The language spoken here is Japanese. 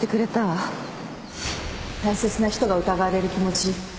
大切な人が疑われる気持ち